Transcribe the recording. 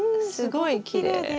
すごいきれい。